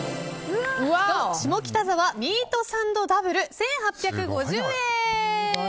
下北沢ミートサンドダブル１８５０円。